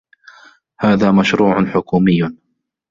هذا مشروع حكومي.